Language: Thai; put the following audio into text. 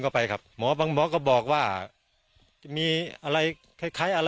กลับมาก